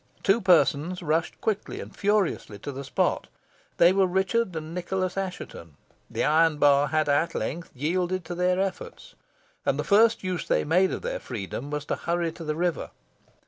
Two persons rushed quickly and furiously to the spot. They were Richard and Nicholas Assheton. The iron bar had at length yielded to their efforts, and the first use they made of their freedom was to hurry to the river.